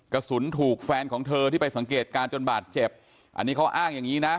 กระสุนถูกแฟนของเธอที่ไปสังเกตการณ์จนบาดเจ็บอันนี้เขาอ้างอย่างงี้นะ